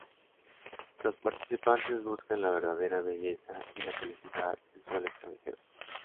Los participantes buscan la verdadera belleza y la felicidad en suelo extranjero.